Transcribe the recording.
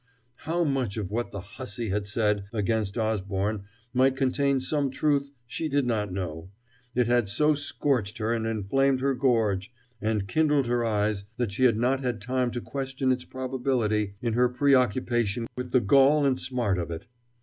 How much of what the hussy had said against Osborne might contain some truth she did not know; it had so scorched her, and inflamed her gorge, and kindled her eyes, that she had not had time to question its probability in her preoccupation with the gall and smart of it.